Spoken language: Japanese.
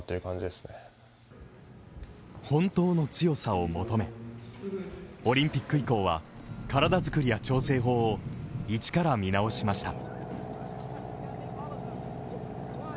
だからこそオリンピック以降は体作りや調整法を一から見直しました。